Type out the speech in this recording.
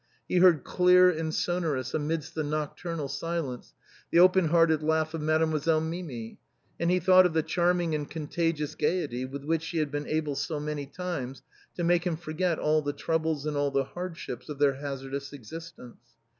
He heard clear and sonorous, amidst the nocturnal silence, the open hearted laugh of Mademoiselle Mimi, and he thought of the charm ing and contagious gaiety with which she had been able so many times to make him forget all the troubles and all the hardships of their hazardous existence.